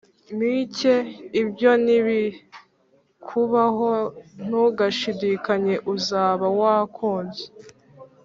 mike ibyo nibikubaho ntugashidikanye uzaba wakunze."